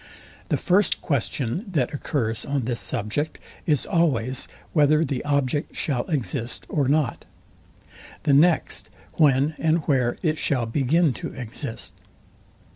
The first question that occurs on this subject is always, whether the object shall exist or not: The next, when and where it shall begin to exist.